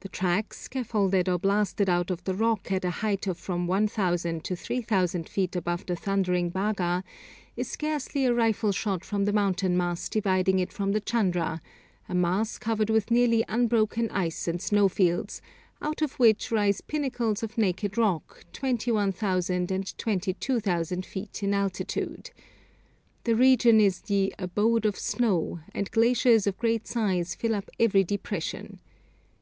The track, scaffolded or blasted out of the rock at a height of from 1,000 to 3,000 feet above the thundering Bhaga, is scarcely a rifle shot from the mountain mass dividing it from the Chandra, a mass covered with nearly unbroken ice and snowfields, out of which rise pinnacles of naked rock 21,000 and 22,000 feet in altitude. The region is the 'abode of snow,' and glaciers of great size fill up every depression.